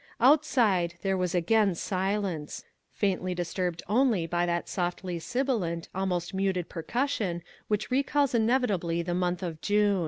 Outside there was again silence... faintly disturbed only by that softly sibilant, almost muted percussion which recalls inevitably the month of June....